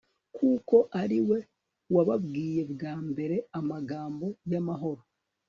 kuko ari we wababwiye bwa mbere amagambo y'amahoro